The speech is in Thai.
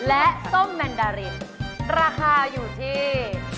และส้มแมนดารินราคาอยู่ที่